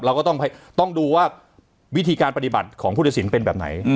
เราก็ต้องดูว่าวิธีการปฏิบัติของพุทธศิลปเป็นแบบไหน